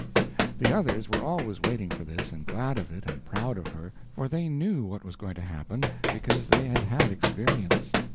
The others were always waiting for this, and glad of it and proud of her, for they knew what was going to happen, because they had had experience.